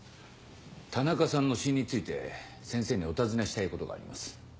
田中さんの死因について先生にお尋ねしたいことがあります。